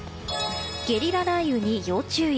ゲリラ雷雨に要注意。